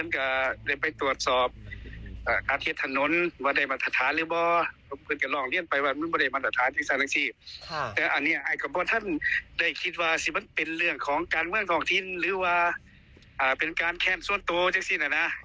แกว่ามาดักกินกันนิสินะ